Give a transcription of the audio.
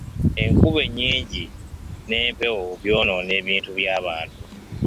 Enkuba enyingi n'empewo byonoona ebintu by'abantu.